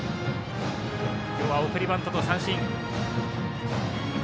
今日は送りバントと三振。